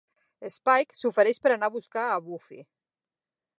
Spike s'ofereix per anar a buscar a Buffy.